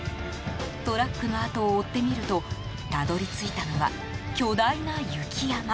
トラックのあとを追ってみるとたどり着いたのは巨大な雪山。